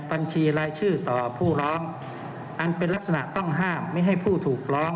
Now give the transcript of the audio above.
บัญชีรายชื่อต่อผู้ร้องอันเป็นลักษณะต้องห้ามไม่ให้ผู้ถูกร้อง